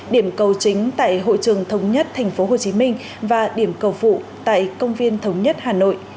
điểm cầu chính tại hội trường thống nhất tp hcm và điểm cầu phụ tại công viên thống nhất hà nội